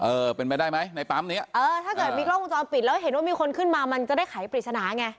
เออเป็นไปได้ไหมในปั๊มเนี้ยเออถ้าเกิดมีกล้องวงจรปิดแล้วเห็นว่ามีคนขึ้นมามันจะได้ไขปริศนาไง